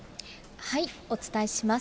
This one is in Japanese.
お伝えします。